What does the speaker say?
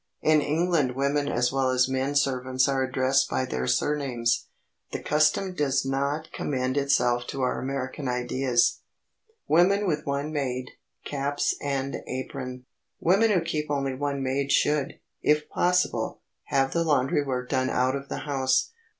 In England women as well as men servants are addressed by their surnames. The custom does not commend itself to our American ideas. [Sidenote: WOMEN WITH ONE MAID] [Sidenote: CAPS AND APRON] Women who keep only one maid should, if possible, have the laundry work done out of the house.